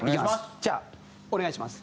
じゃあお願いします。